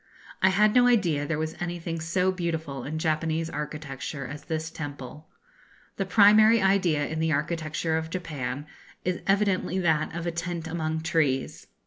I had no idea there was anything so beautiful in Japanese architecture as this temple. The primary idea in the architecture of Japan is evidently that of a tent among trees.